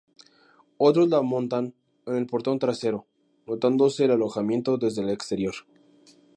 Otros la montan en el portón trasero, notándose el alojamiento desde el exterior.